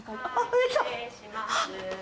はい失礼します